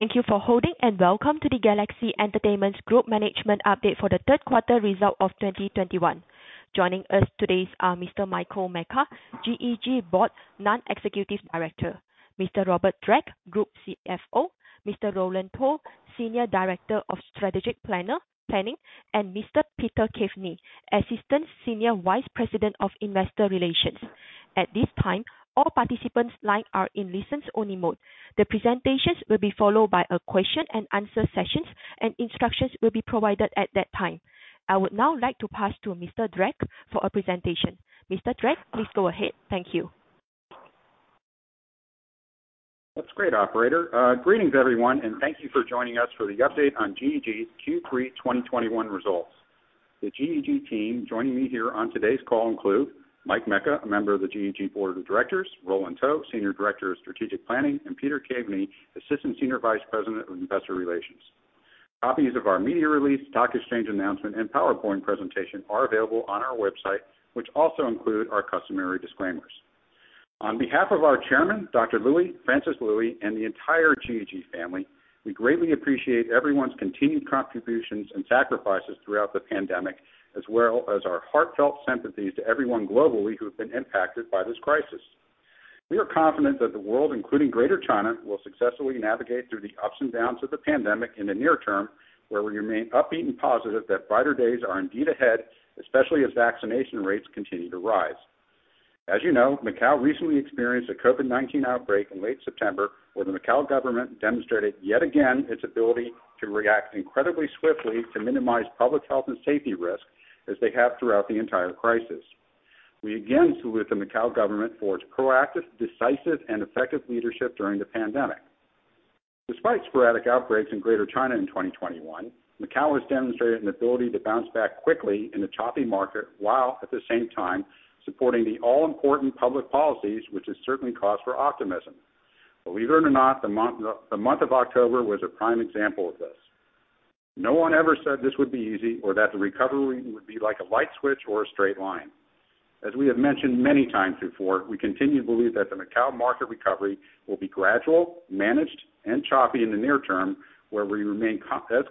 Thank you for holding, and welcome to the Galaxy Entertainment Group management update for the third quarter results of 2021. Joining us today are Mr. Michael Mecca, GEG Board Non-Executive Director, Mr. Robert Drake, Group CFO, Mr. Roland To, Senior Director of Strategic Planning, and Mr. Peter Caveny, Assistant Senior Vice President of Investor Relations. At this time, all participants' lines are in listen-only mode. The presentation will be followed by a question-and-answer session, and instructions will be provided at that time. I would now like to pass to Mr. Drake for a presentation. Mr. Drake, please go ahead. Thank you. That's great, operator. Greetings, everyone, and thank you for joining us for the update on GEG's Q3 2021 results. The GEG team joining me here on today's call include Mike Mecca, a member of the GEG Board of Directors, Roland To, Senior Director of Strategic Planning, and Peter Caveny, Assistant Senior Vice President of Investor Relations. Copies of our media release, stock exchange announcement, and PowerPoint presentation are available on our website, which also include our customary disclaimers. On behalf of our chairman, Dr. Lui, Francis Lui, and the entire GEG family, we greatly appreciate everyone's continued contributions and sacrifices throughout the pandemic, as well as our heartfelt sympathies to everyone globally who have been impacted by this crisis. We are confident that the world, including Greater China, will successfully navigate through the ups and downs of the pandemic in the near term, where we remain upbeat and positive that brighter days are indeed ahead, especially as vaccination rates continue to rise. As you know, Macau recently experienced a COVID-19 outbreak in late September, where the Macau government demonstrated yet again its ability to react incredibly swiftly to minimize public health and safety risks, as they have throughout the entire crisis. We again salute the Macau government for its proactive, decisive, and effective leadership during the pandemic. Despite sporadic outbreaks in Greater China in 2021, Macau has demonstrated an ability to bounce back quickly in a choppy market, while at the same time, supporting the all-important public policies, which is certainly cause for optimism. Believe it or not, the month of October was a prime example of this. No one ever said this would be easy or that the recovery would be like a light switch or a straight line. We have mentioned many times before, we continue to believe that the Macau market recovery will be gradual, managed, and choppy in the near term, where we remain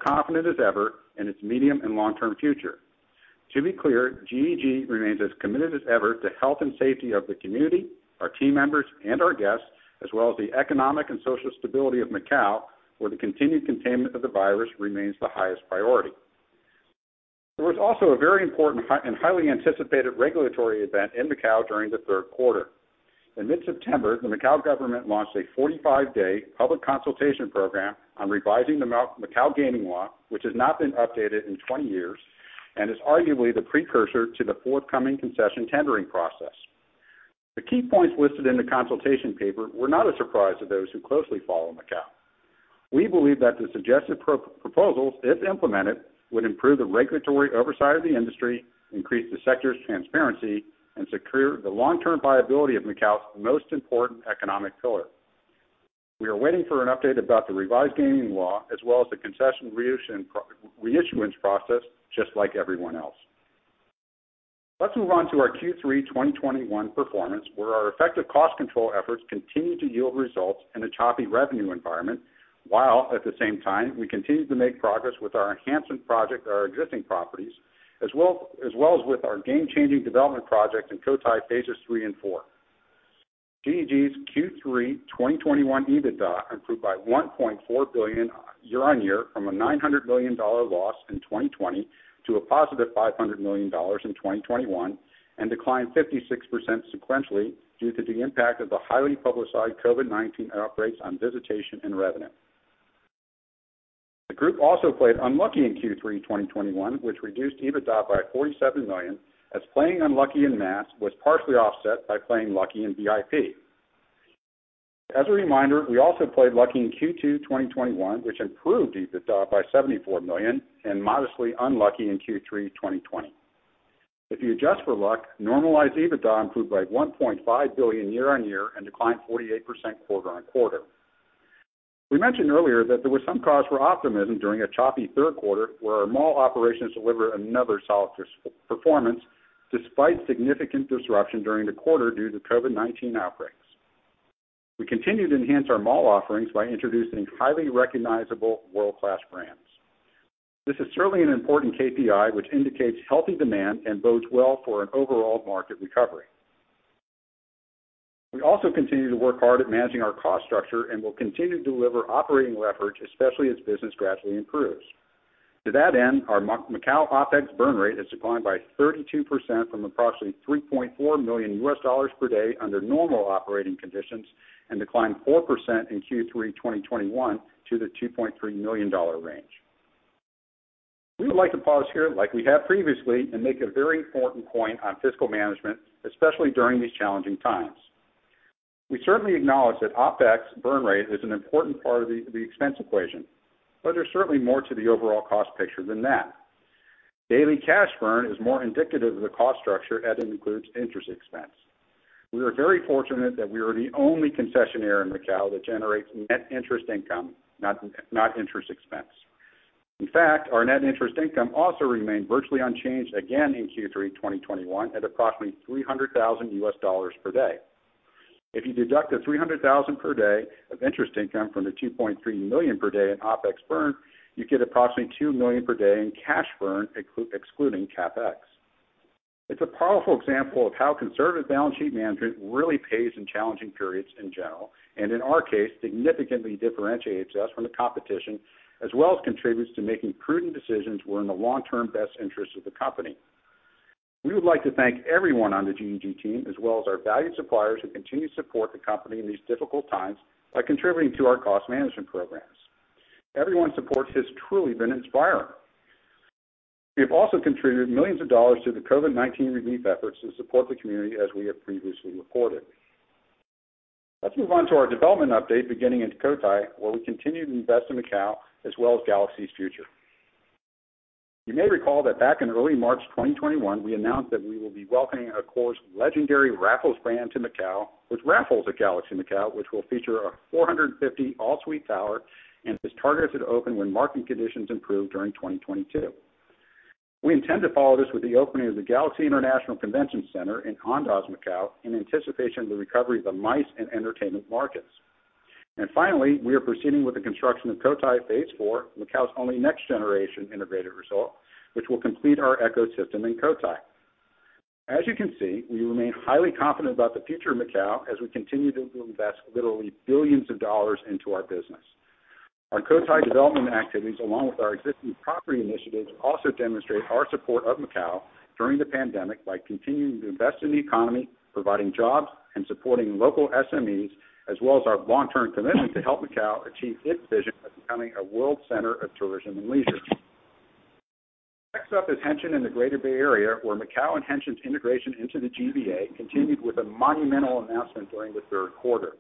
confident as ever in its medium and long-term future. To be clear, GEG remains as committed as ever to health and safety of the community, our team members, and our guests, as well as the economic and social stability of Macau, where the continued containment of the virus remains the highest priority. There was also a very important and highly anticipated regulatory event in Macau during the third quarter. In mid-September, the Macau government launched a 45-day public consultation program on revising the Macau gaming law, which has not been updated in 20 years and is arguably the precursor to the forthcoming concession tendering process. The key points listed in the consultation paper were not a surprise to those who closely follow Macau. We believe that the suggested proposals, if implemented, would improve the regulatory oversight of the industry, increase the sector's transparency, and secure the long-term viability of Macau's most important economic pillar. We are waiting for an update about the revised gaming law as well as the concession reissuance process just like everyone else. Let's move on to our Q3 2021 performance, where our effective cost control efforts continued to yield results in a choppy revenue environment, while at the same time, we continued to make progress with our enhancement project at our existing properties as well as with our game-changing development project in Cotai Phases Three and Four. GEG's Q3 2021 EBITDA improved by HKD 1.4 billion year-over-year from a HKD 900 million loss in 2020 to a positive HKD 500 million in 2021, and declined 56% sequentially due to the impact of the highly publicized COVID-19 outbreaks on visitation and revenue. The group also played unlucky in Q3 2021, which reduced EBITDA by 47 million, as playing unlucky in mass was partially offset by playing lucky in VIP. As a reminder, we also played lucky in Q2 2021, which improved EBITDA by 74 million and modestly unlucky in Q3 2020. If you adjust for luck, normalized EBITDA improved by 1.5 billion year-on-year and declined 48% quarter-on-quarter. We mentioned earlier that there was some cause for optimism during a choppy third quarter where our mall operations delivered another solid performance despite significant disruption during the quarter due to COVID-19 outbreaks. We continued to enhance our mall offerings by introducing highly recognizable world-class brands. This is certainly an important KPI which indicates healthy demand and bodes well for an overall market recovery. We also continue to work hard at managing our cost structure and will continue to deliver operating leverage, especially as business gradually improves. To that end, our Macau OPEX burn rate has declined by 32% from approximately $3.4 million per day under normal operating conditions and declined 4% in Q3 2021 to the $2.3 million range. We would like to pause here, like we have previously, and make a very important point on fiscal management, especially during these challenging times. We certainly acknowledge that OPEX burn rate is an important part of the expense equation, but there's certainly more to the overall cost picture than that. Daily cash burn is more indicative of the cost structure as it includes interest expense. We are very fortunate that we are the only concessionaire in Macau that generates net interest income, not interest expense. In fact, our net interest income also remained virtually unchanged again in Q3 2021 at approximately $300,000 per day. If you deduct the $300,000 per day of interest income from the $2.3 million per day in OPEX burn, you get approximately $2 million per day in cash burn, excluding CapEx. It's a powerful example of how conservative balance sheet management really pays in challenging periods in general, and in our case, significantly differentiates us from the competition, as well as contributes to making prudent decisions were in the long-term best interest of the company. We would like to thank everyone on the GEG team, as well as our valued suppliers who continue to support the company in these difficult times by contributing to our cost management programs. Everyone's support has truly been inspiring. We have also contributed millions dollars to the COVID-19 relief efforts to support the community as we have previously reported. Let's move on to our development update beginning in Cotai, where we continue to invest in Macau as well as Galaxy's future. You may recall that back in early March 2021, we announced that we will be welcoming of course the legendary Raffles brand to Macau with Raffles at Galaxy Macau, which will feature a 450 all-suite tower and is targeted to open when market conditions improve during 2022. We intend to follow this with the opening of the Galaxy International Convention Center in Andaz Macau in anticipation of the recovery of the MICE and entertainment markets. Finally, we are proceeding with the construction of Cotai Phase Four, Macau's only next-generation integrated resort, which will complete our ecosystem in Cotai. As you can see, we remain highly confident about the future of Macau as we continue to invest literally billions of HKD into our business. Our Cotai development activities, along with our existing property initiatives, also demonstrate our support of Macau during the pandemic by continuing to invest in the economy, providing jobs, and supporting local SMEs, as well as our long-term commitment to help Macau achieve its vision of becoming a world center of tourism and leisure. Next up is Hengqin in the Greater Bay Area, where Macao and Hengqin's integration into the GBA continued with a monumental announcement during the third quarter.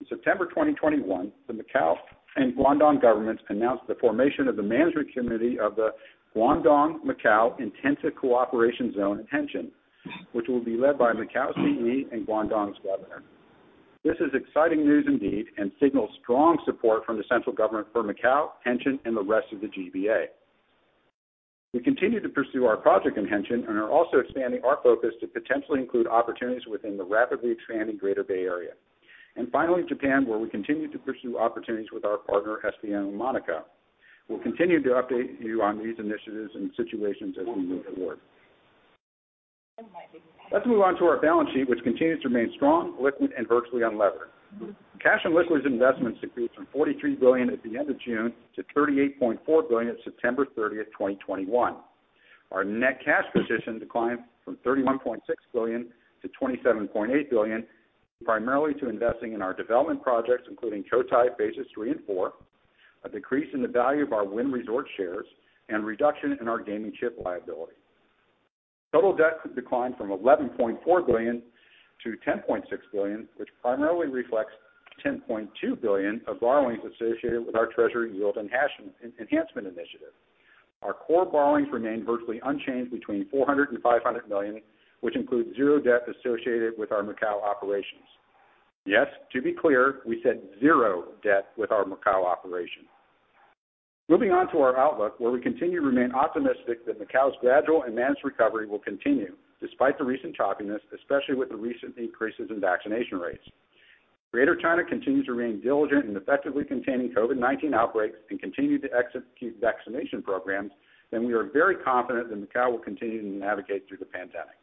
In September 2021, the Macao and Guangdong governments announced the formation of the management committee of the Guangdong-Macao In-Depth Cooperation Zone in Hengqin, which will be led by Macao's CE and Guangdong's governor. This is exciting news indeed and signals strong support from the central government for Macao, Hengqin, and the rest of the GBA. We continue to pursue our project in Hengqin and are also expanding our focus to potentially include opportunities within the rapidly expanding Greater Bay Area. Finally, Japan, where we continue to pursue opportunities with our partner, SBM Monaco. We'll continue to update you on these initiatives and situations as we move forward. Let's move on to our balance sheet, which continues to remain strong, liquid, and virtually unlevered. Cash and liquid investments decreased from HKD 43 billion at the end of June to HKD 38.4 billion at September 30, 2021. Our net cash position declined from HKD 31.6 billion to HKD 27.8 billion, primarily due to investing in our development projects, including Cotai Phases Three and Four, a decrease in the value of our Wynn Resorts shares, and reduction in our gaming chip liability. Total debt declined from 11.4 billion to 10.6 billion, which primarily reflects 10.2 billion of borrowings associated with our treasury yield and cash enhancement initiative. Our core borrowings remain virtually unchanged between 400 million and 500 million, which includes zero debt associated with our Macau operations. Yes, to be clear, we said zero debt with our Macau operations. Moving on to our outlook, where we continue to remain optimistic that Macao's gradual and managed recovery will continue despite the recent choppiness, especially with the recent increases in vaccination rates. Greater China continues to remain diligent in effectively containing COVID-19 outbreaks and continue to execute vaccination programs, then we are very confident that Macao will continue to navigate through the pandemic.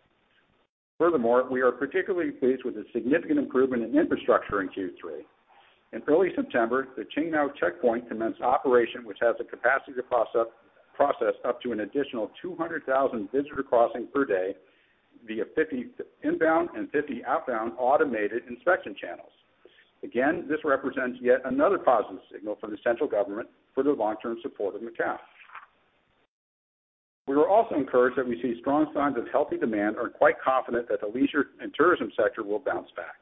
Furthermore, we are particularly pleased with the significant improvement in infrastructure in Q3. In early September, the Qingmao Checkpoint commenced operation, which has the capacity to process up to an additional 200,000 visitor crossings per day via 50 inbound and 50 outbound automated inspection channels. Again, this represents yet another positive signal from the central government for the long-term support of Macao. We are also encouraged that we see strong signs of healthy demand and are quite confident that the leisure and tourism sector will bounce back.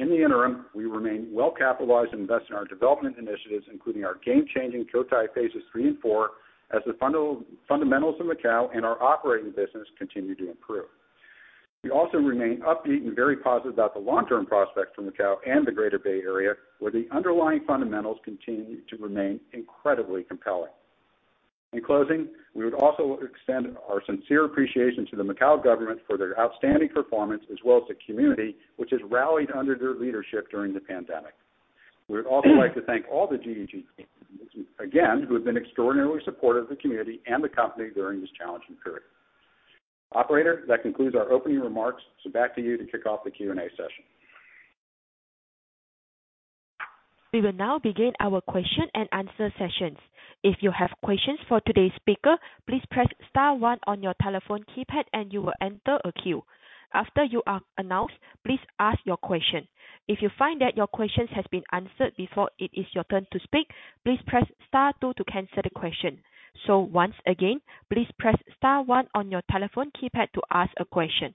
In the interim, we remain well capitalized to invest in our development initiatives, including our game-changing Cotai Phases Three and Four, as the fundamentals of Macao and our operating business continue to improve. We also remain upbeat and very positive about the long-term prospects for Macao and the Greater Bay Area, where the underlying fundamentals continue to remain incredibly compelling. In closing, we would also extend our sincere appreciation to the Macao government for their outstanding performance as well as the community, which has rallied under their leadership during the pandemic. We would also like to thank all the GEG teams, again, who have been extraordinarily supportive of the community and the company during this challenging period. Operator, that concludes our opening remarks, so back to you to kick off the Q&A session. We will now begin our question and answer session. If you have questions for today's speaker, please press * one on your telephone keypad and you will enter a queue. After you are announced, please ask your question. If you find that your question has been answered before it is your turn to speak, please press * two to cancel the question. Once again, please press * one on your telephone keypad to ask a question.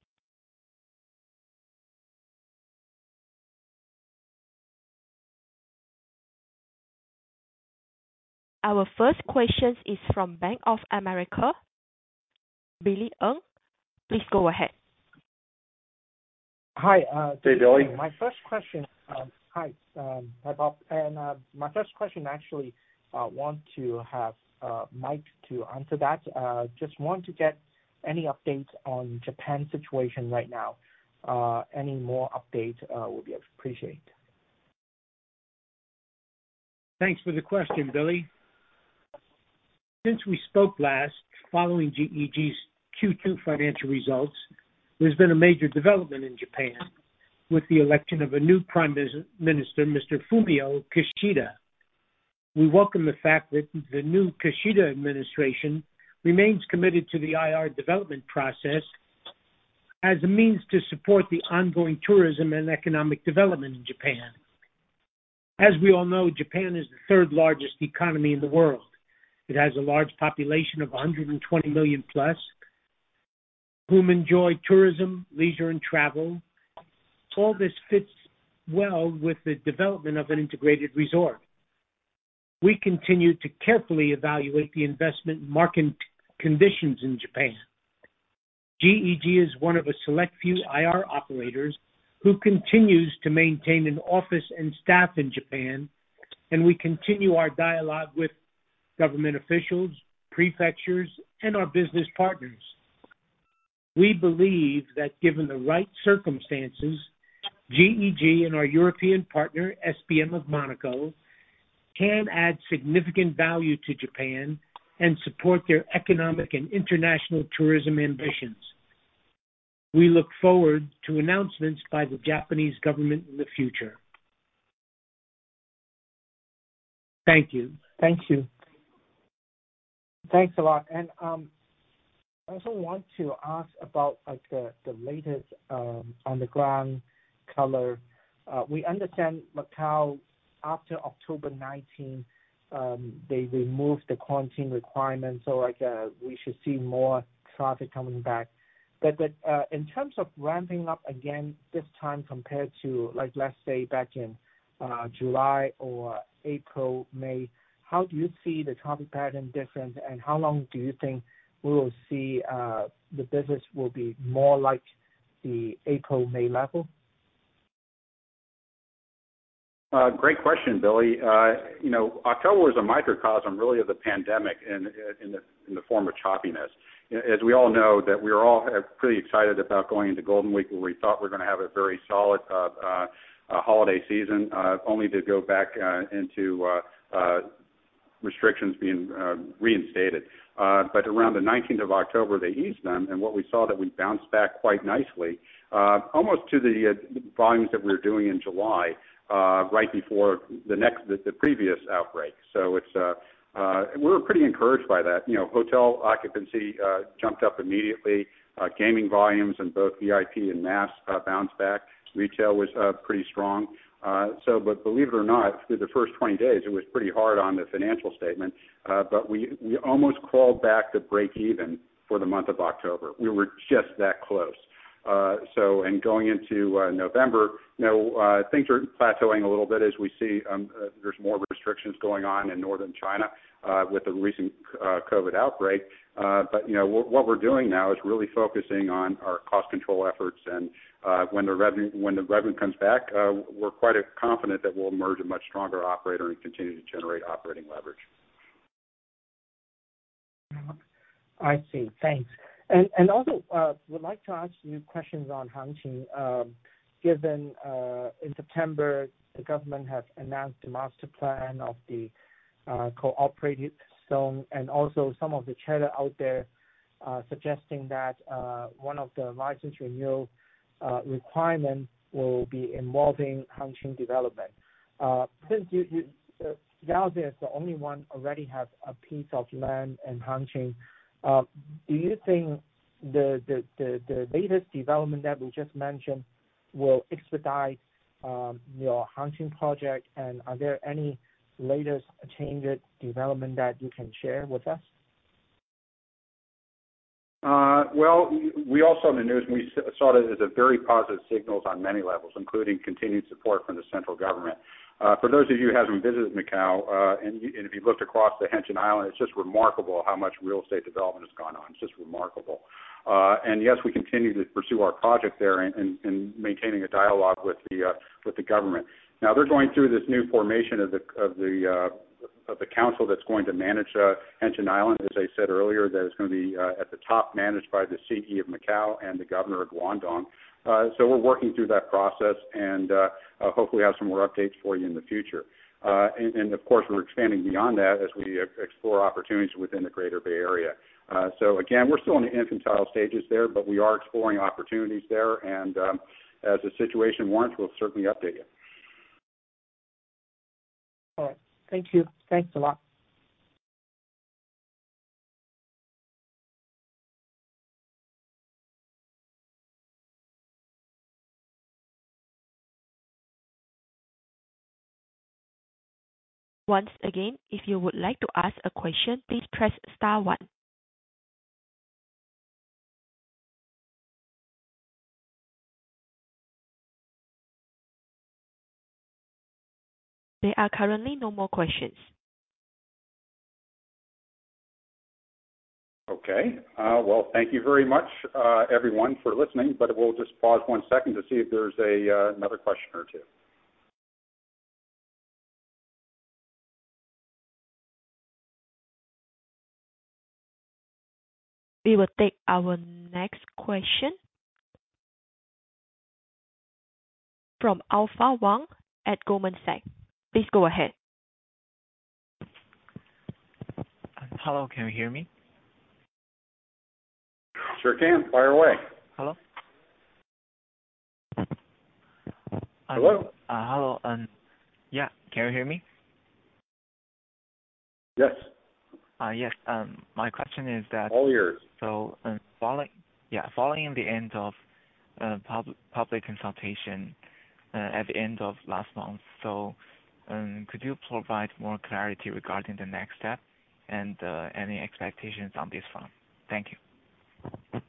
Our first question is from Bank of America, Billy Ng. Please go ahead. Hi. Hey, Billy. My first question, hi, Bob. My first question actually want to have Mike to answer that. Just want to get any updates on Japan situation right now. Any more update will be appreciated. Thanks for the question, Billy. Since we spoke last, following GEG's Q2 financial results, there's been a major development in Japan with the election of a new Prime Minister, Mr. Fumio Kishida. We welcome the fact that the new Kishida administration remains committed to the IR development process as a means to support the ongoing tourism and economic development in Japan. As we all know, Japan is the third largest economy in the world. It has a large population of 120 million plus, whom enjoy tourism, leisure and travel. All this fits well with the development of an integrated resort. We continue to carefully evaluate the investment market conditions in Japan. GEG is one of a select few IR operators who continues to maintain an office and staff in Japan, and we continue our dialogue with government officials, prefectures, and our business partners. We believe that given the right circumstances, GEG and our European partner, SBM Monaco, can add significant value to Japan and support their economic and international tourism ambitions. We look forward to announcements by the Japanese government in the future. Thank you. Thank you. Thanks a lot. I also want to ask about, like, the latest on the ground color. We understand Macao, after October 19, they removed the quarantine requirements, so, like, we should see more traffic coming back. In terms of ramping up again, this time compared to, like, let's say, back in July or April, May, how do you see the traffic pattern different, and how long do you think we'll see the business will be more like the April, May level? Great question, Billy. You know, October is a microcosm, really, of the pandemic in the form of choppiness. As we all know, we are all pretty excited about going into Golden Week, where we thought we're gonna have a very solid holiday season, only to go back into restrictions being reinstated. But around the nineteenth of October, they eased them, and what we saw that we bounced back quite nicely, almost to the volumes that we were doing in July, right before the previous outbreak. We were pretty encouraged by that. You know, hotel occupancy jumped up immediately. Gaming volumes in both VIP and mass bounced back. Retail was pretty strong. Believe it or not, through the first 20 days, it was pretty hard on the financial statement, but we almost crawled back to breakeven for the month of October. We were just that close. Going into November, you know, things are plateauing a little bit as we see there's more restrictions going on in Northern China with the recent COVID outbreak. You know, what we're doing now is really focusing on our cost control efforts and when the revenue comes back, we're quite confident that we'll emerge a much stronger operator and continue to generate operating leverage. I see. Thanks. Also, would like to ask you questions on Hengqin. Given in September, the government has announced the master plan of the cooperative zone, and also some of the chatter out there suggesting that one of the license renewal requirements will be involving Hengqin development. Since Galaxy is the only one already have a piece of land in Hengqin, do you think the latest development that we just mentioned will expedite your Hengqin project, and are there any latest changes, development that you can share with us? Well, we all saw the news, and we saw it as a very positive signal on many levels, including continued support from the central government. For those of you who haven't visited Macao, and if you've looked across the Hengqin Island, it's just remarkable how much real estate development has gone on. It's just remarkable. Yes, we continue to pursue our project there and maintaining a dialogue with the government. Now they're going through this new formation of the council that's going to manage Hengqin Island. As I said earlier, that it's gonna be at the top managed by the Chief Executive of Macao and the governor of Guangdong. We're working through that process and hopefully have some more updates for you in the future. Of course, we're expanding beyond that as we explore opportunities within the Greater Bay Area. Again, we're still in the infantile stages there, but we are exploring opportunities there, and as the situation warrants, we'll certainly update you. All right. Thank you. Thanks a lot. Once again, if you would like to ask a question, please press * one. There are currently no more questions. Okay. Well, thank you very much, everyone for listening, but we'll just pause one second to see if there's another question or two. We will take our next question from Alpha Wang at Goldman Sachs. Please go ahead. Hello, can you hear me? Sure can. Fire away. Hello? Hello. Hello, yeah, can you hear me? Yes. Yes. My question is that. All ears. Following the end of public consultation at the end of last month, could you provide more clarity regarding the next step and any expectations on this front? Thank you.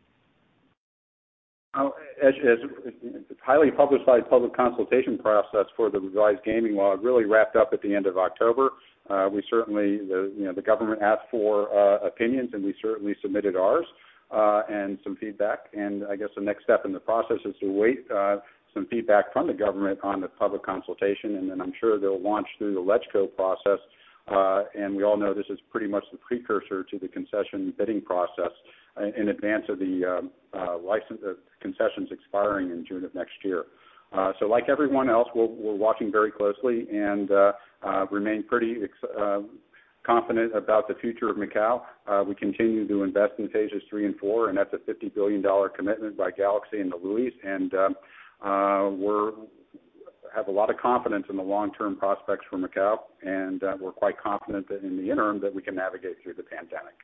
The highly publicized public consultation process for the revised gaming law really wrapped up at the end of October. The government asked for opinions, you know, and we certainly submitted ours and some feedback. I guess the next step in the process is to wait some feedback from the government on the public consultation, and then I'm sure they'll launch through the LegCo process. We all know this is pretty much the precursor to the concession bidding process in advance of the concessions expiring in June of next year. Like everyone else, we're watching very closely and remain pretty confident about the future of Macau. We continue to invest in Phases Three and Four, and that's a HK$50 billion commitment by Galaxy and the Luis. We have a lot of confidence in the long-term prospects for Macau, and we're quite confident that in the interim, that we can navigate through the pandemic.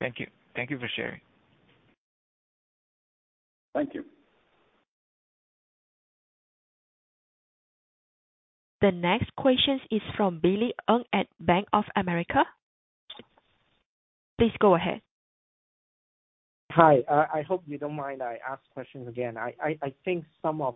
Thank you. Thank you for sharing. Thank you. The next question is from Billy Ng at Bank of America. Please go ahead. Hi. I hope you don't mind I ask questions again. I think some of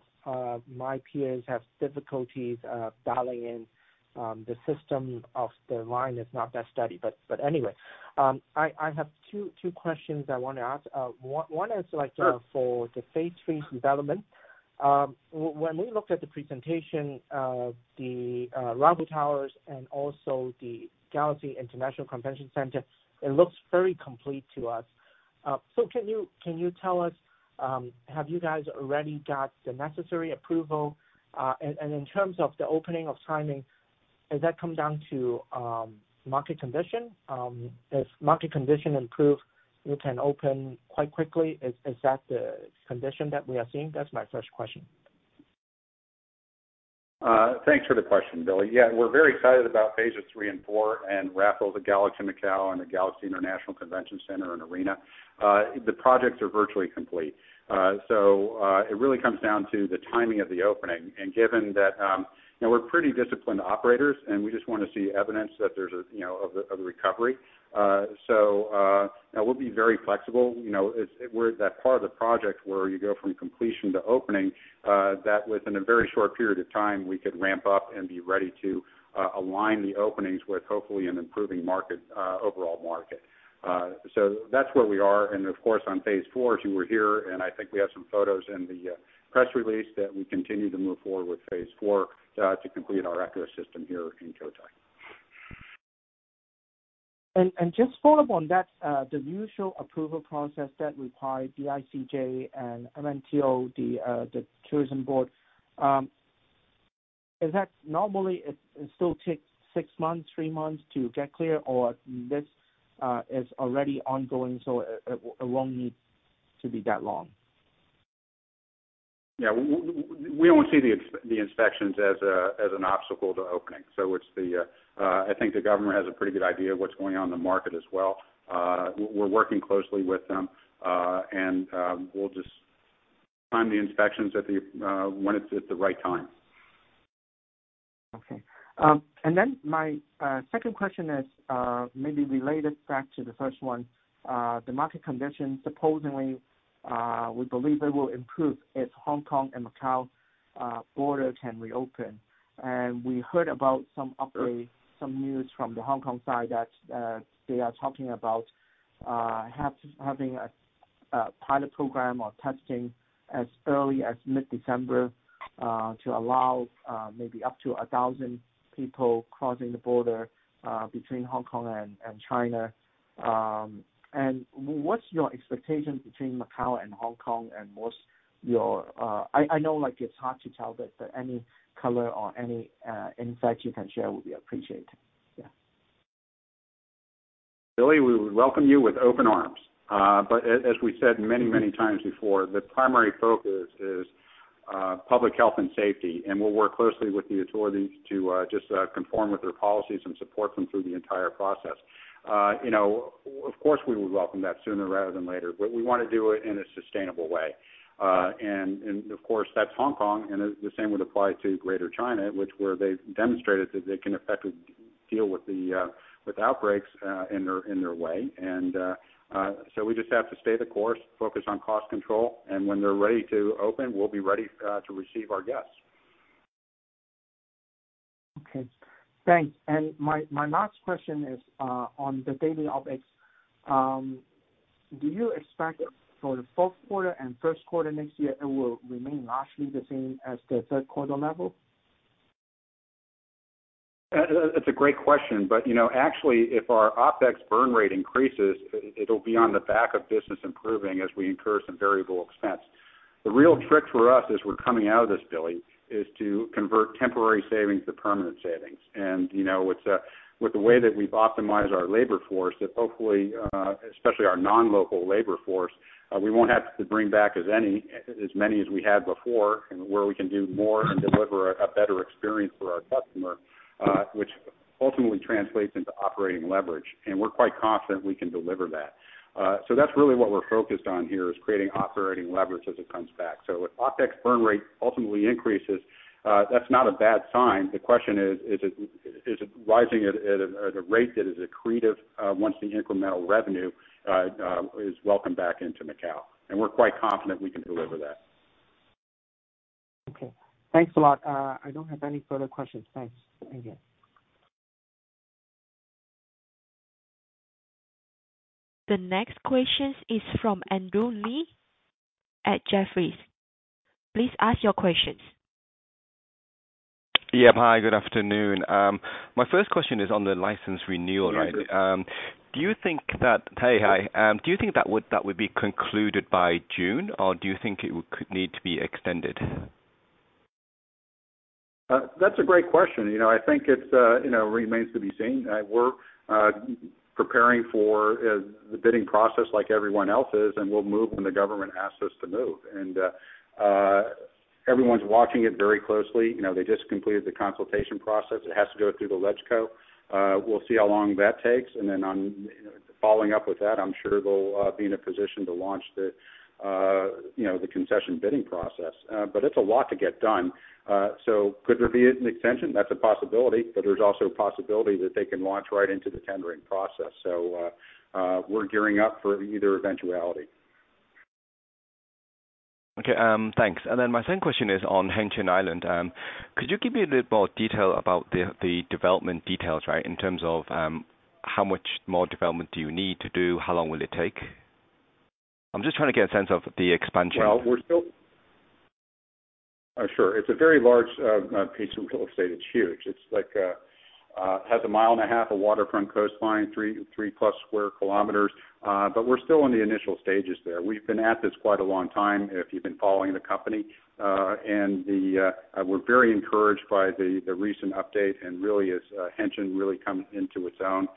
my peers have difficulties dialing in. The system on the line is not that steady. Anyway, I have two questions I wanna ask. One is like Sure. For the Phase Three development. When we looked at the presentation of the Raffles Towers and also the Galaxy International Convention Center, it looks very complete to us. So can you tell us, have you guys already got the necessary approval? And in terms of the opening timing, does that come down to market condition? If market condition improve, you can open quite quickly. Is that the condition that we are seeing? That's my first question. Thanks for the question, Billy. Yeah, we're very excited about Cotai Phases Three and Four and Raffles at Galaxy Macau and the Galaxy International Convention Center and Arena. The projects are virtually complete. So, you know, we're pretty disciplined operators, and we just wanna see evidence that there's a, you know, of recovery. So, you know, we'll be very flexible. You know, we're at that part of the project where you go from completion to opening, that within a very short period of time, we could ramp up and be ready to align the openings with hopefully an improving market, overall market. So that's where we are. Of course, on phase four, as you were here, and I think we have some photos in the press release that we continue to move forward with phase four, to complete our ecosystem here in Cotai. Just follow up on that, the usual approval process that require DICJ and MGTO, the tourism board, is that normally it still takes six months, three months to get clear, or this is already ongoing, so it won't need to be that long? Yeah. We don't see the inspections as an obstacle to opening. I think the government has a pretty good idea of what's going on in the market as well. We're working closely with them, and we'll just time the inspections when it's at the right time. Okay. My second question is maybe related back to the first one. The market conditions, supposedly, we believe they will improve if Hong Kong and Macao border can reopen. We heard about some update, some news from the Hong Kong side that they are talking about having a pilot program or testing as early as mid-December to allow maybe up to 1,000 people crossing the border between Hong Kong and China. What's your expectation between Macao and Hong Kong and what's your... I know, like, it's hard to tell, but any color or any insight you can share would be appreciated. Yeah. Billy, we would welcome you with open arms. But as we said many times before, the primary focus is public health and safety, and we'll work closely with the authorities to just conform with their policies and support them through the entire process. You know, of course, we would welcome that sooner rather than later, but we wanna do it in a sustainable way. And of course, that's Hong Kong, and the same would apply to Greater China, where they've demonstrated that they can effectively deal with the outbreaks in their way. So we just have to stay the course, focus on cost control, and when they're ready to open, we'll be ready to receive our guests. Okay, thanks. My last question is on the daily OPEX. Do you expect for the fourth quarter and first quarter next year, it will remain largely the same as the third quarter level? That's a great question, but, you know, actually, if our OPEX burn rate increases, it'll be on the back of business improving as we incur some variable expense. The real trick for us as we're coming out of this, Billy, is to convert temporary savings to permanent savings. You know, with the way that we've optimized our labor force that hopefully, especially our non-local labor force, we won't have to bring back as many as we had before, and where we can do more and deliver a better experience for our customer, which ultimately translates into operating leverage. We're quite confident we can deliver that. That's really what we're focused on here, is creating operating leverage as it comes back. If OPEX burn rate ultimately increases, that's not a bad sign. The question is it rising at a rate that is accretive once the incremental revenue is welcome back into Macau? We're quite confident we can deliver that. Okay. Thanks a lot. I don't have any further questions. Thanks again. The next question is from Andrew Lee at Jefferies. Please ask your questions. Yeah. Hi, good afternoon. My first question is on the license renewal, right? Yes. Hey, hi. Do you think that would be concluded by June, or do you think it could need to be extended? That's a great question. You know, I think it's, you know, remains to be seen. We're preparing for the bidding process like everyone else is, and we'll move when the government asks us to move. Everyone's watching it very closely. You know, they just completed the consultation process. It has to go through the LegCo. We'll see how long that takes, and then on, you know, following up with that, I'm sure they'll be in a position to launch the, you know, the concession bidding process. It's a lot to get done. Could there be an extension? That's a possibility, but there's also a possibility that they can launch right into the tendering process. We're gearing up for either eventuality. Okay. Thanks. My second question is on Hengqin Island. Could you give me a little more detail about the development details, right? In terms of how much more development do you need to do? How long will it take? I'm just trying to get a sense of the expansion. Well, we're still sure it's a very large piece of real estate. It's huge. It's like it has a mile and a half of waterfront coastline, 3-plus sq km. We're still in the initial stages there. We've been at this quite a long time, if you've been following the company. We're very encouraged by the recent update and really as Hengqin really coming into its own,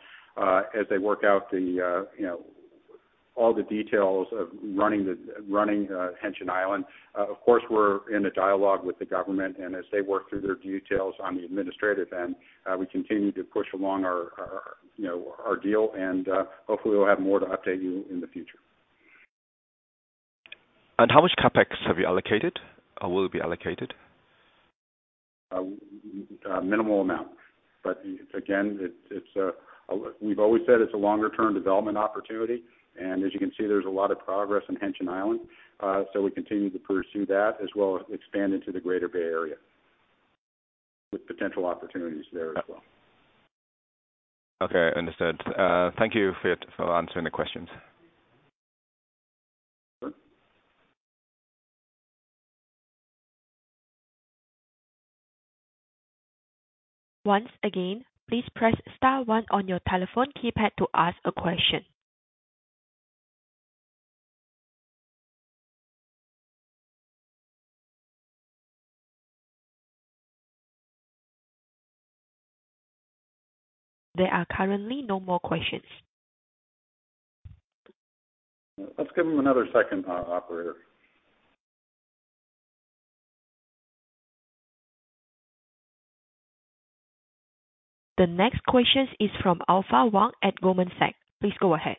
as they work out you know all the details of running the Hengqin Island. Of course, we're in a dialogue with the government, and as they work through their details on the administrative end, we continue to push along our you know our deal. Hopefully we'll have more to update you in the future. How much CapEx have you allocated or will be allocated? A minimal amount. Again, it's. We've always said it's a longer term development opportunity. As you can see, there's a lot of progress in Hengqin Island. We continue to pursue that as well as expand into the Greater Bay Area with potential opportunities there as well. Okay, understood. Thank you for answering the questions. Sure. Once again, please press * one on your telephone keypad to ask a question. There are currently no more questions. Let's give them another second, operator. The next question is from Alpha Wang at Goldman Sachs. Please go ahead.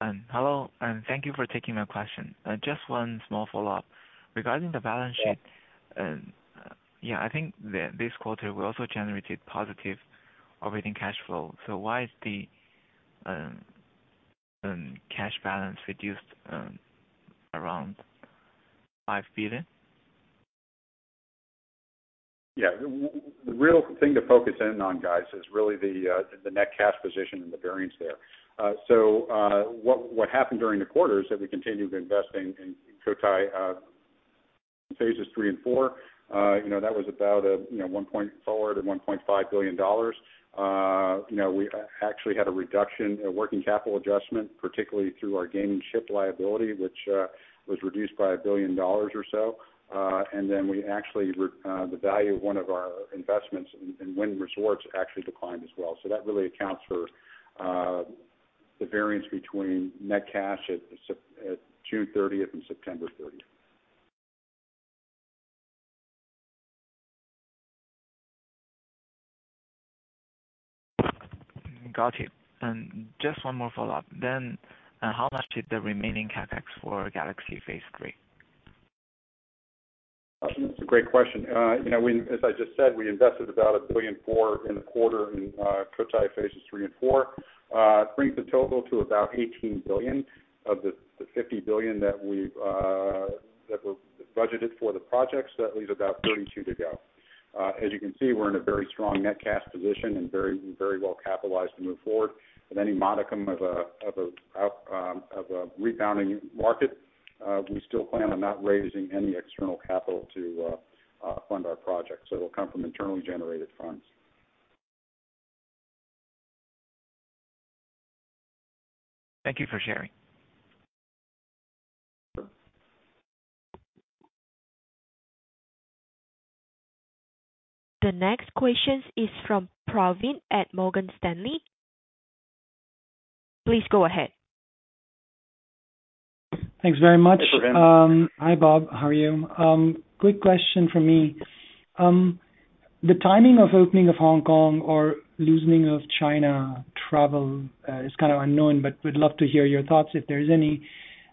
Hello? Hello, and thank you for taking my question. Just one small follow-up. Regarding the balance sheet, yeah, I think this quarter we also generated positive operating cash flow. Why is the cash balance reduced around HKD 5 billion? The real thing to focus in on guys is really the net cash position and the variance there. What happened during the quarter is that we continued investing in Cotai Phases Three and Four. You know, that was about $1.4 billion and $1.5 billion. You know, we actually had a reduction, a working capital adjustment, particularly through our gaming chip liability, which was reduced by $1 billion or so. And then the value of one of our investments in Wynn Resorts actually declined as well. That really accounts for the variance between net cash at June 30 and September 30. Got it. Just one more follow-up then. How much is the remaining CapEx for Cotai Phase Three? That's a great question. You know, as I just said, we invested about 1.4 billion in the quarter in Cotai Phases Three and Four. It brings the total to about 18 billion of the 50 billion that we've budgeted for the projects. That leaves about 32 billion to go. As you can see, we're in a very strong net cash position and very well capitalized to move forward. With any modicum of a rebounding market, we still plan on not raising any external capital to fund our project. It'll come from internally generated funds. Thank you for sharing. The next question is from Praveen at Morgan Stanley. Please go ahead. Thanks very much. Hi, Praveen. Hi, Bob. How are you? Quick question from me. The timing of opening of Hong Kong or loosening of China travel is kind of unknown, but we'd love to hear your thoughts if there's any.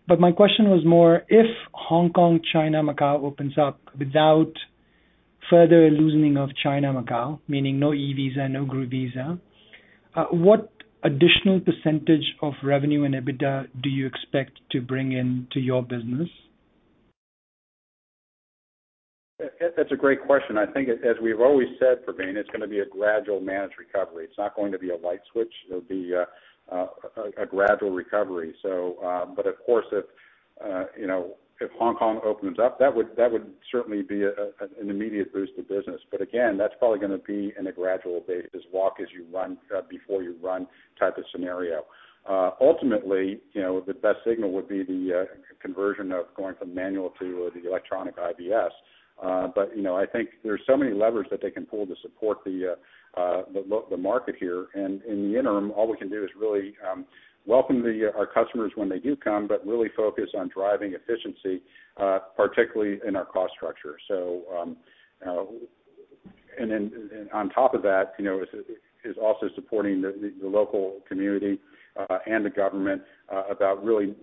My question was more if Hong Kong, China, Macau opens up without further loosening of China, Macau, meaning no e-visa, no group visa, what additional percentage of revenue and EBITDA do you expect to bring in to your business? That's a great question. I think as we've always said, Praveen, it's gonna be a gradual managed recovery. It's not going to be a light switch. It'll be a gradual recovery. Of course, if you know, if Hong Kong opens up, that would certainly be an immediate boost to business. Again, that's probably gonna be in a gradual basis, walk as you run, before you run type of scenario. Ultimately, you know, the best signal would be the conversion of going from manual to the electronic IVS. You know, I think there are so many levers that they can pull to support the market here. In the interim, all we can do is really welcome our customers when they do come, but really focus on driving efficiency, particularly in our cost structure. In addition, on top of that, you know, is also supporting the local community and the government about really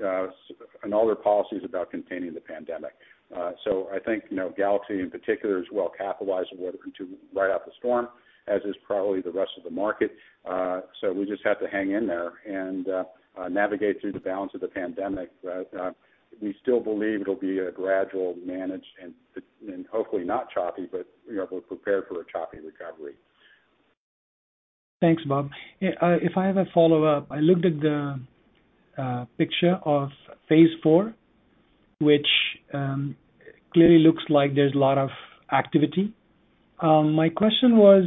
and all their policies about containing the pandemic. I think, you know, Galaxy in particular is well capitalized in order to ride out the storm, as is probably the rest of the market. We just have to hang in there and navigate through the balance of the pandemic. We still believe it'll be a gradual manage and hopefully not choppy, but, you know, we're prepared for a choppy recovery. Thanks, Bob. Yeah, if I have a follow-up, I looked at the picture of Phase Four, which clearly looks like there's a lot of activity. My question was,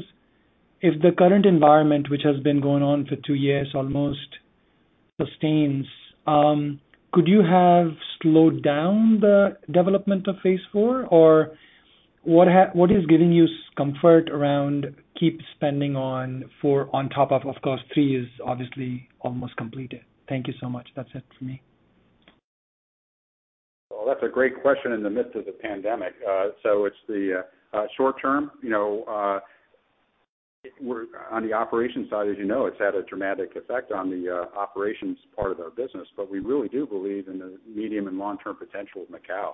if the current environment, which has been going on for two years almost sustains, could you have slowed down the development of Phase Four? Or what is giving you comfort around keep spending on Phase Four on top of course, Phase Three is obviously almost completed. Thank you so much. That's it for me. Well, that's a great question in the midst of the pandemic. In the short term, you know, we're on the operations side, as you know, it's had a dramatic effect on the operations part of our business, but we really do believe in the medium and long-term potential of Macau.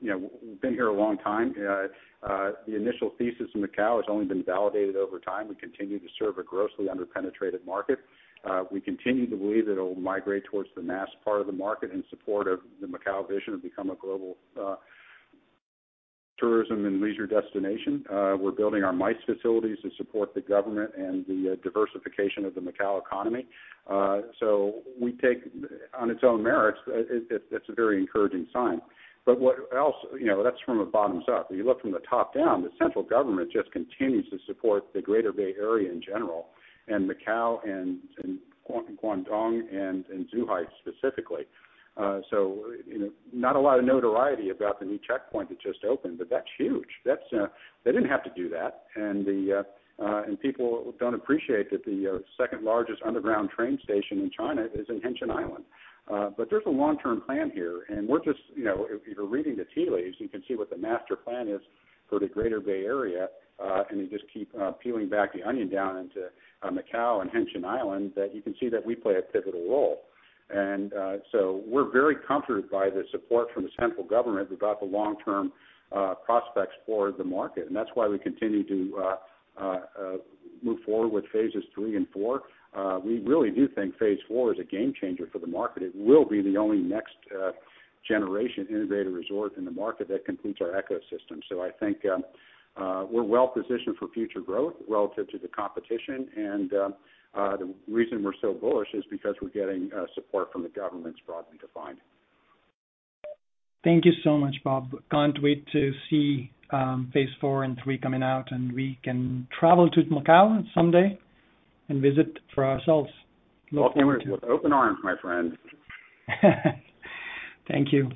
You know, we've been here a long time. The initial thesis in Macau has only been validated over time. We continue to serve a grossly under-penetrated market. We continue to believe that it'll migrate towards the mass part of the market in support of the Macau vision to become a global tourism and leisure destination. We're building our MICE facilities to support the government and the diversification of the Macau economy. We take it on its own merits. It's a very encouraging sign. What else, you know, that's from a bottoms up. When you look from the top down, the central government just continues to support the Greater Bay Area in general and Macau and Guangdong and Zhuhai specifically. You know, not a lot of notoriety about the new checkpoint that just opened, but that's huge. That's they didn't have to do that. People don't appreciate that the second largest underground train station in China is in Hengqin Island. There's a long-term plan here, and we're just, you know, if you're reading the tea leaves, you can see what the master plan is for the Greater Bay Area, and you just keep peeling back the onion down into Macau and Hengqin Island, that you can see that we play a pivotal role. We're very comforted by the support from the central government about the long-term prospects for the market. That's why we continue to move forward with Phases Three and Four. We really do think Phase Four is a game changer for the market. It will be the only next generation integrated resort in the market that completes our ecosystem. I think we're well-positioned for future growth relative to the competition. The reason we're so bullish is because we're getting support from the governments broadly defined. Thank you so much, Bob. Can't wait to see phase four and three coming out, and we can travel to Macau someday and visit for ourselves. welcome you with open arms, my friend. Thank you.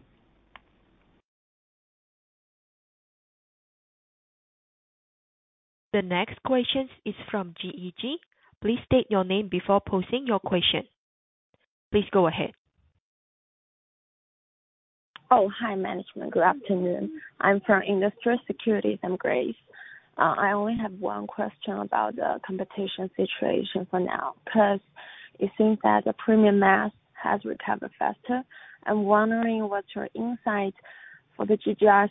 The next question is from GEG. Please state your name before posing your question. Please go ahead. Oh, hi, management. Good afternoon. I'm from Industrial Securities. I'm Grace. I only have one question about the competition situation for now. It seems that the premium mass has recovered faster. I'm wondering what your insight for the GGR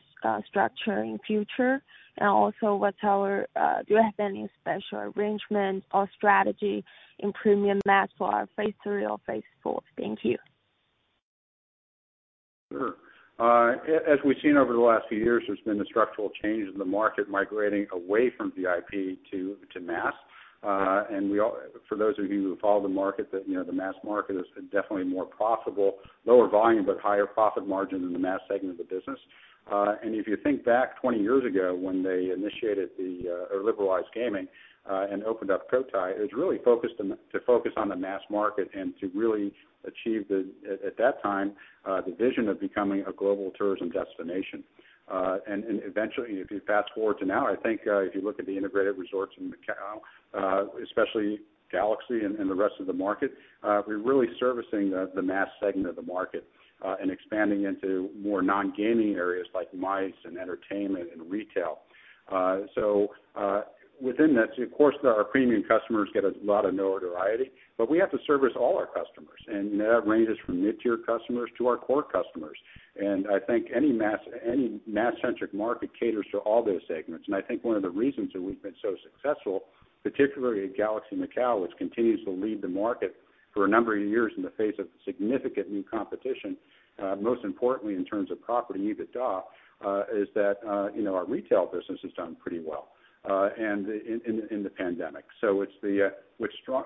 structure in future, and also do you have any special arrangement or strategy in premium mass for our phase three or phase four? Thank you. Sure. As we've seen over the last few years, there's been a structural change in the market migrating away from VIP to mass. For those of you who follow the market, you know the mass market is definitely more profitable, lower volume, but higher profit margin in the mass segment of the business. If you think back 20 years ago when they initiated the liberalized gaming and opened up Cotai, it was really focused on the mass market and to really achieve, at that time, the vision of becoming a global tourism destination. Eventually, if you fast-forward to now, I think, if you look at the integrated resorts in Macao, especially Galaxy and the rest of the market, we're really servicing the mass segment of the market, and expanding into more non-gaming areas like MICE and entertainment and retail. Within that, of course, our premium customers get a lot of notoriety, but we have to service all our customers, and that ranges from mid-tier customers to our core customers. I think any mass-centric market caters to all those segments. I think one of the reasons that we've been so successful, particularly at Galaxy Macau, which continues to lead the market for a number of years in the face of significant new competition, most importantly in terms of property EBITDA, is that, you know, our retail business has done pretty well, and in the pandemic. It's the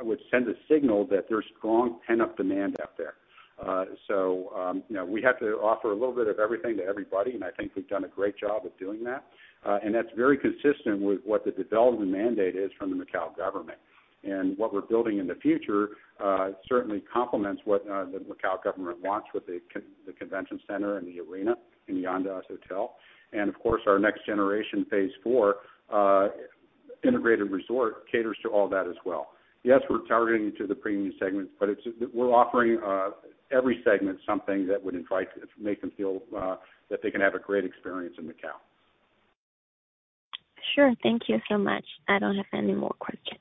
which sends a signal that there's strong pent-up demand out there. You know, we have to offer a little bit of everything to everybody, and I think we've done a great job of doing that. That's very consistent with what the development mandate is from the Macao government. What we're building in the future certainly complements what the Macao government wants with the convention center and the arena and the Andaz Hotel. Of course, our next generation Phase Four integrated resort caters to all that as well. Yes, we're targeting the premium segments, but we're offering every segment something that would invite, make them feel that they can have a great experience in Macao. Sure. Thank you so much. I don't have any more questions.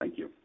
Thank you.